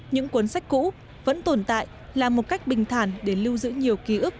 những cuốn sách cũ vẫn tồn tại là một cách bình thản để lưu giữ nhiều ký ức